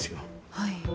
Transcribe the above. はい。